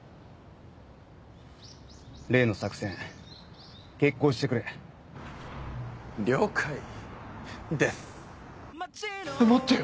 例の作戦決行してくれ了解デス待ってよ